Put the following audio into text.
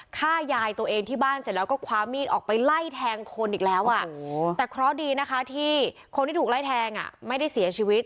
ฆ่ายายตัวเองที่บ้านเสร็จแล้วก็คว้ามีดออกไปไล่แทงคนอีกแล้วอ่ะแต่เคราะห์ดีนะคะที่คนที่ถูกไล่แทงอ่ะไม่ได้เสียชีวิต